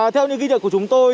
theo những ghi nhận của chúng tôi